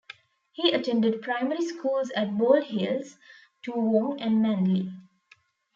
He attended primary schools at Bald Hills, Toowong and Manly.